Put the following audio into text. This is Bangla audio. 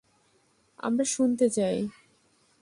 আমরা শুনতে চাই।